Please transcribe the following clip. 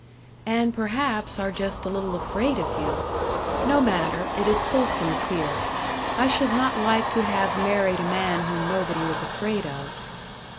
"And, perhaps, are just a little afraid of you. No matter, it is wholesome fear. I should not like to have married a man whom nobody was afraid of."